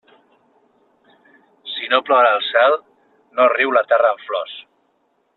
Si no plora el cel, no riu la terra amb flors.